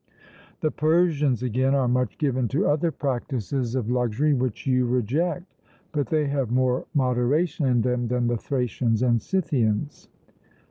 The Persians, again, are much given to other practices of luxury which you reject, but they have more moderation in them than the Thracians and Scythians.